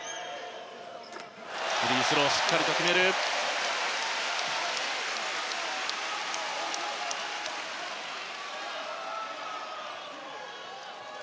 フリースローしっかりと決めました。